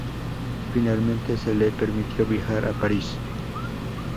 Finalmente se le permitió viajar a París.